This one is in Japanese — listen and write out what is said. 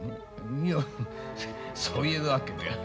いやそういうわけでは。